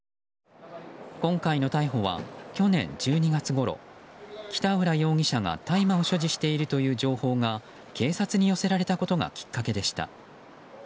今回の逮捕は、去年１２月ごろ北浦容疑者が大麻を所持しているという情報が警察に寄せられたことがきっかけでした。